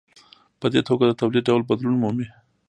په دې توګه د تولید ډول بدلون مومي.